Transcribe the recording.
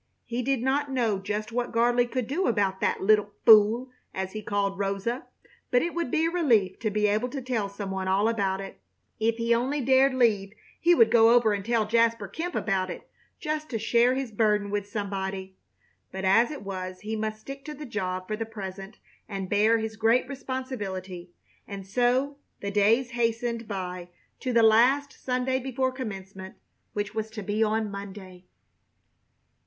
He did not know just what Gardley could do about "that little fool," as he called Rosa, but it would be a relief to be able to tell some one all about it. If he only dared leave he would go over and tell Jasper Kemp about it, just to share his burden with somebody. But as it was he must stick to the job for the present and bear his great responsibility, and so the days hastened by to the last Sunday before Commencement, which was to be on Monday.